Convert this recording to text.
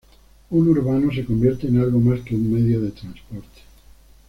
Un urbano se convierte en algo más que un medio de transporte.